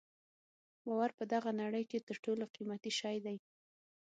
باور په دغه نړۍ کې تر ټولو قیمتي شی دی.